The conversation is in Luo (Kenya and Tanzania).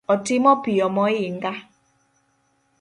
Otimo piyo moinga